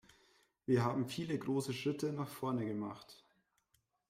Wir haben viele große Schritte nach vorne gemacht.